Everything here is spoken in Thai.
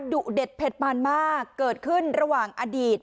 ดุเด็ดเผ็ดปานมากเกิดขึ้นระหว่างอดีต